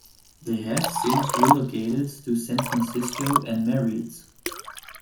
They have since relocated to San Francisco and married.